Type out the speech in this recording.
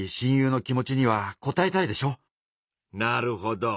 なるほど。